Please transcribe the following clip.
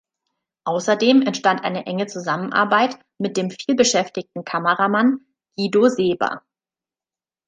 Außerdem entstand eine enge Zusammenarbeit mit dem vielbeschäftigten Kameramann Guido Seeber.